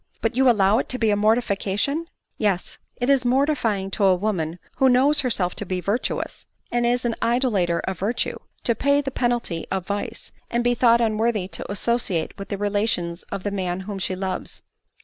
" But you allow it to be a mortification ?"" Yes ; it is mortifying to a woman who knows herself to be virtuous, and is an idolater of virtue, to pay the penalty of vice, and be thought unworthy to associate with the relations of the man whom she loves."